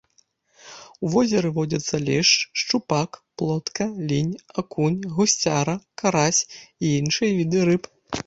У возеры водзяцца лешч, шчупак, плотка, лінь, акунь, гусцяра, карась і іншыя віды рыб.